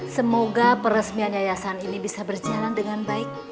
semoga peresmian yayasan ini bisa berjalan dengan baik